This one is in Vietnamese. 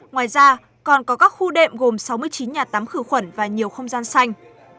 ngoài ra còn có các khu đệm gồm sáu mươi chín nhà tắm khử khuẩn và nhiều không gian xanh